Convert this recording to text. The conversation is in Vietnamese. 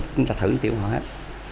chúng ta thử nước tiểu của họ hết